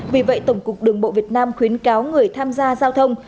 vì vậy tổng cục đường bộ việt nam khuyến cáo người tham gia giao thông